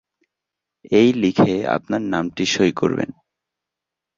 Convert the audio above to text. এই লিখে আপনার নামটা সই করবেন।